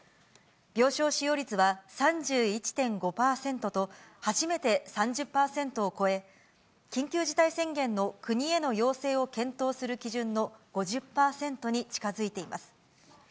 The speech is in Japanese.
病床使用率は３１．５％と、初めて３０％を超え、緊急事態宣言の国への要請を検討する基準の５０％に近づいています。